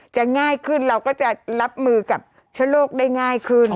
ง่ายขึ้นเราก็จะรับมือกับเชื้อโรคได้ง่ายขึ้น